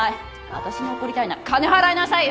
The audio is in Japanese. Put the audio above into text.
私に怒りたいなら金払いなさいよ！